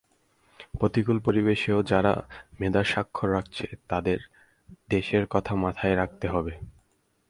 প্রতিকূল পরিবেশেও যাঁরা মেধার স্বাক্ষর রাখছেন, তাঁদের দেশের কথা মাথায় রাখতে হবে।